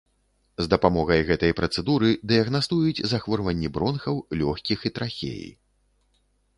З дапамогай гэтай працэдуры дыягнастуюць захворванні бронхаў, лёгкіх і трахеі.